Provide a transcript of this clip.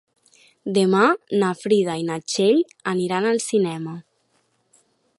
Demà na Frida i na Txell aniran al cinema.